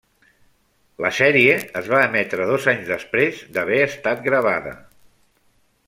La sèrie es va emetre dos anys després d'haver estat gravada.